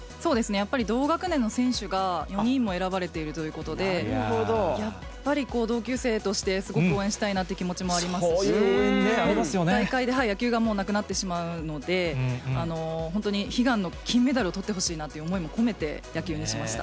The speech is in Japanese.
やっぱり同学年の選手が４人も選ばれているということで、やっぱり同級生として、すごく応援したいなという気持ちもありますし、大会で、野球がもうなくなってしまうので、本当に悲願の金メダル、とってほしいなって思いも込めて、野球にしました。